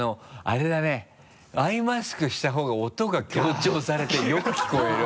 アイマスクしたほうが音が強調されてよく聞こえる。